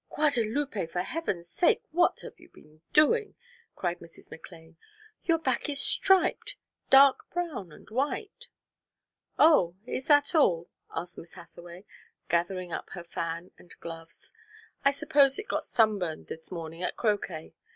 "Guadalupe, for Heaven's sake, what have you been doing?" cried Mrs. McLane. "Your back is striped dark brown and white." "Oh, is that all?" asked Miss Hathaway, gathering up her fan and gloves. "I suppose it got sunburned this morning at croquet.